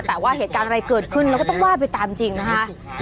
แต่ว่าเหตุการณ์อะไรเกิดขึ้นเราก็ต้องว่าไปตามจริงนะคะ